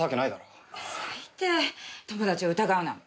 最低友達を疑うなんて。